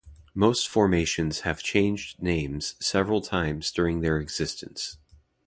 Most formations have changed names several times during their existence.